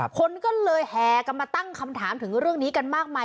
คนก็เลยแห่กันมาตั้งคำถามถึงเรื่องนี้กันมากมาย